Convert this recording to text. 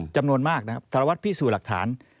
จำนวนมากนะครับสารวัตรพิสูจน์หลักฐาน